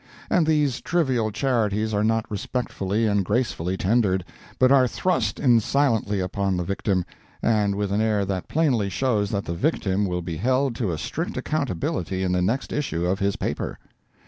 And these trivial charities are not respectfully and gracefully tendered, but are thrust in silently upon the victim, and with an air that plainly shows that the victim will be held to a strict accountability in the next issue of his paper.